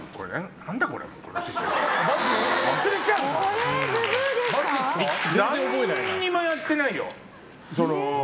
何もやってないよ。